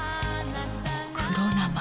黒生！